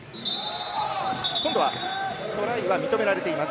トライは認められています。